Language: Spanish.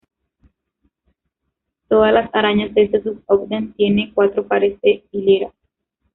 Todas las arañas de este suborden tienen cuatro pares de hileras.